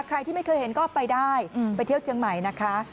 ใครที่ไม่เคยเห็นก็ไปได้ไปเที่ยวเชียงใหม่นะคะ